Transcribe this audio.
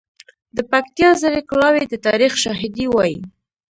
د پکتیا زړې کلاوې د تاریخ شاهدي وایي.